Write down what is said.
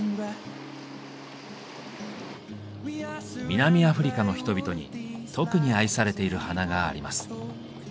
南アフリカの人々に特に愛されている花があります。